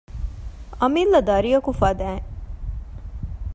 އަމިއްލަ ދަރިއަކު ފަދައިން